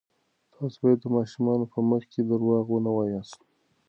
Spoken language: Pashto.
تاسې باید د ماشومانو په مخ کې درواغ ونه وایاست.